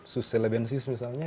susah lebensis misalnya